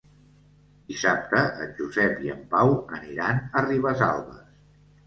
Dissabte en Josep i en Pau aniran a Ribesalbes.